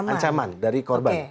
ancaman dari korban